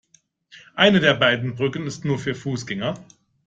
Eine der beiden Brücken ist nur für Fußgänger.